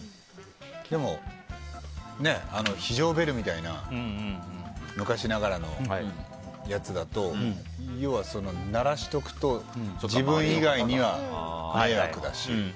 でも、非常ベルみたいな昔ながらのやつだと要は、鳴らしておくと自分以外には迷惑だし。